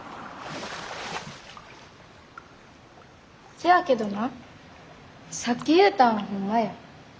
せやけどなさっき言うたんはホンマや。